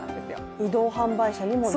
移動販売車にもなると。